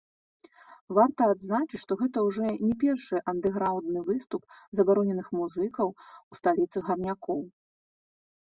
Варта адзначыць, што гэта ўжо не першы андэрграўндны выступ забароненых музыкаў у сталіцы гарнякоў.